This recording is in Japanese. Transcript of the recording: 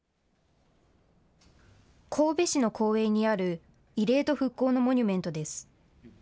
神戸市の公園にある慰霊と復興のモニュメントです。